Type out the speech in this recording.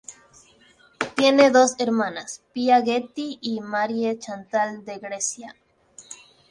Tiene dos hermanas, Pia Getty y Marie-Chantal de Grecia.